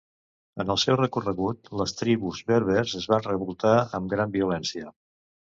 En el seu recorregut, les tribus berbers es van revoltar amb gran violència.